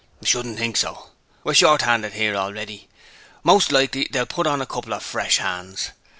'I shouldn't think so. We're short 'anded 'ere already. Most likely they'll put on a couple of fresh 'ands.